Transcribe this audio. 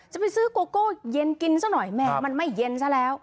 จะไปซื้อโกโก้เย็นกินซะหน่อยแม่มันไม่เย็นซะแล้ว